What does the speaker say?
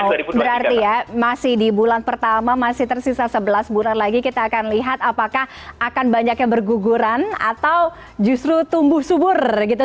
oke berarti ya masih di bulan pertama masih tersisa sebelas bulan lagi kita akan lihat apakah akan banyak yang berguguran atau justru tumbuh subur gitu